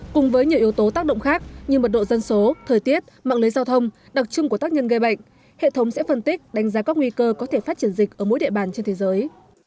cùng với nhiều yếu tố tác động khác như mật độ dân số thời tiết mạng lưới giao thông đặc trưng của tác nhân gây bệnh hệ thống sẽ phân tích đánh giá các nguy cơ có thể phát triển dịch ở mỗi địa bàn trên thế giới